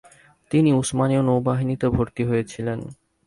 তিনি উসমানীয় নৌবাহিনীতে ভর্তি হয়েছিলেন।